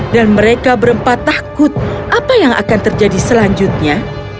dan mereka berempat takut apa yang akan terjadi selanjutnya